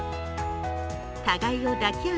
互いを抱き合う